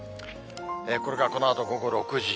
これがこのあと午後６時。